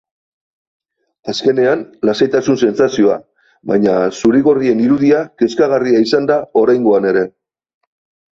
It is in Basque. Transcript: Azkenean, lasaitasun sentsazioa, baina zuri-gorrien irudia kezkagarria izan da oraingoan ere.